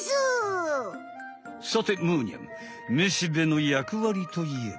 さてむーにゃんめしべのやくわりといえば？